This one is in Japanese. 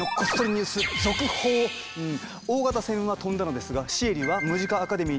大型船は飛んだのですがシエリはムジカ・アカデミーには戻ってこないもよう。